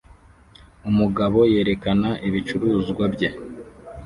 Umugabo yerekana ibicuruzwa bye